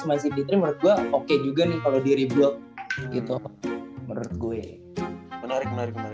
masih ditrim berdua oke juga nih kalau diri blog itu menurut gue menarik menarik menarik